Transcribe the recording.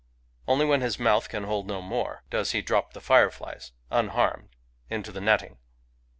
Only when his mouth can hold no more, does he drop the fireflies, unharmed, into the netting.